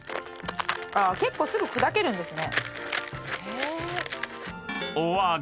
結構すぐ砕けるんですね。